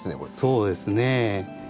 そうですね。